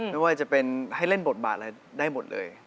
ไม่ว่าจะเป็นให้เล่นบทบาทอะไรได้หมดเลย